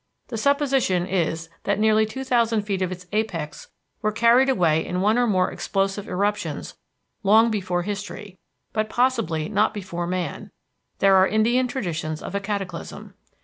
The supposition is that nearly two thousand feet of its apex were carried away in one or more explosive eruptions long before history, but possibly not before man; there are Indian traditions of a cataclysm.